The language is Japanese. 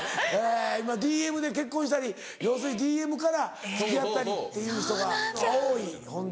今ＤＭで結婚したり要するにＤＭから付き合ったりっていう人が多いホントに。